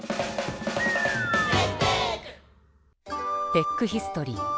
テックヒストリー。